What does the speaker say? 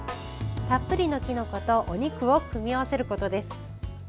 たっぷりのきのことお肉を組み合わせることです。